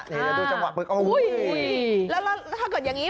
แล้วถ้าเกิดยังงี้